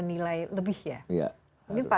nilai lebih ya iya